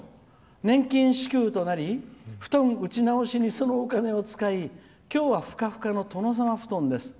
「年金支給となり布団打ち直しというそのお金を使いきょうは、ふかふかの殿様布団です。